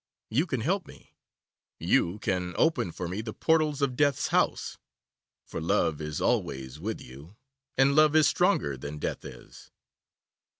You can help me. You can open for me the portals of Death's house, for Love is always with you, and Love is stronger than Death is.